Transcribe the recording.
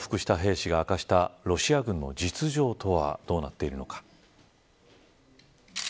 降伏した兵士が明かしたロシア軍の実情とはどうなっているのか。